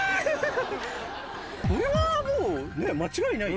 これはもうね間違いない。